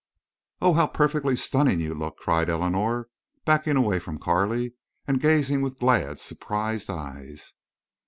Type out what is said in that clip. "Oh, how perfectly stunning you look!" cried Eleanor, backing away from Carley and gazing with glad, surprised eyes.